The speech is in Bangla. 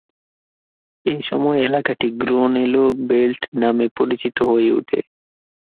এই সময়ে, এলাকাটি "গ্রনোলা বেল্ট" নামে পরিচিত হয়ে ওঠে।